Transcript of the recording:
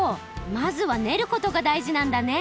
まずはねることがだいじなんだね。